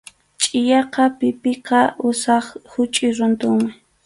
Chʼiyaqa pikipa usap huchʼuy runtunmi.